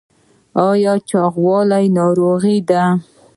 ایا چاغوالی ناروغي ده؟